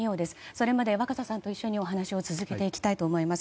それまで若狭さんと一緒にお話を続けていきたいと思います。